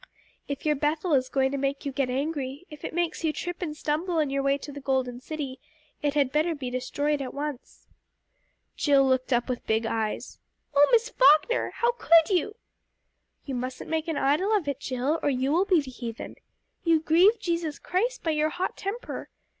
"If your Bethel is going to make you get angry if it makes you trip and stumble on your way to the Golden City, it had better be destroyed at once." Jill looked up with big eyes. "Oh, Miss Falkner! How can you?" "You mustn't make an idol of it, Jill, or you will be the heathen. You grieve Jesus Christ by your hot temper.